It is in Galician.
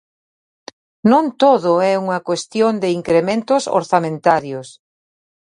Non todo é unha cuestión de incrementos orzamentarios.